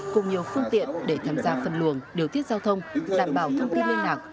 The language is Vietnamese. cùng nhiều phương tiện để tham gia phân luồng điều tiết giao thông đảm bảo thông tin liên lạc